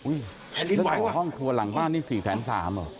อุ๊ยแล้วเสาห้องครัวหลังบ้านนี่๔๓๐๐๐๐บาทเหรอ